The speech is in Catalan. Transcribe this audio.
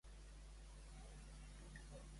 Passar de golondro.